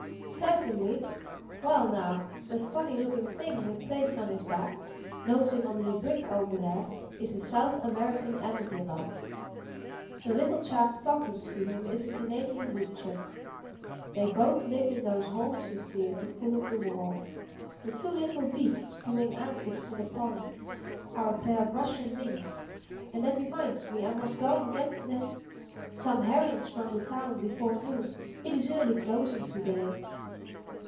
"Certainly. Well now: that funny looking thing with plates on his back, nosing under the brick over there, is a South American armadillo. The little chap talking to him is a Canadian woodchuck. They both live in those holes you see at the foot of the wall. The two little beasts doing antics in the pond are a pair of Russian minks—and that reminds me: I must go and get them some herrings from the town before noon—it is early closing to day.